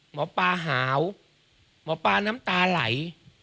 หมอปลาหาวหมอปลาน้ำตาไหล